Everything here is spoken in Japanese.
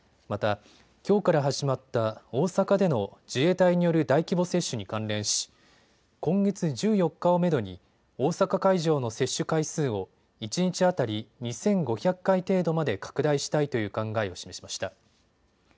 また、きょうから始まった大阪での自衛隊による大規模接種に関連し今月１４日をめどに大阪会場の接種回数を一日当たり２５００回程度まで拡大したいという考えを示しました。